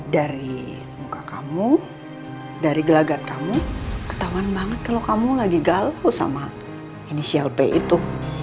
dari muka kamu dari gelagat kamu ketahuan banget kalau kamu lagi galpu sama inisial p itu